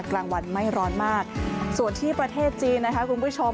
กลางวันไม่ร้อนมากส่วนที่ประเทศจีนนะคะคุณผู้ชม